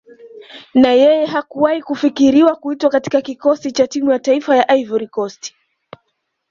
Na yeye hakuwahi kufikiriwa kuitwa katika Kikosi cha Timu ya Taifa ya Ivory Coast